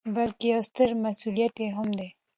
، بلکې یو ستر مسؤلیت هم دی